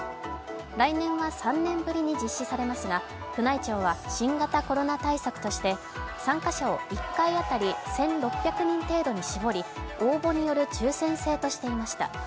来年は３年ぶりに実施されますが、宮内庁は新型コロナ対策として参加者を一回当たり、１６００人程度に絞り、応募による抽選制としていました。